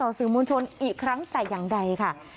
สื่อมวลชนอีกครั้งแต่อย่างใดค่ะ